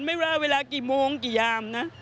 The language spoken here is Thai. เวลากี่โมงกี่ยามนะ